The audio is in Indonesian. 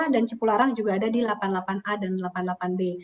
dan cipularang juga ada di delapan puluh delapan a dan delapan puluh delapan b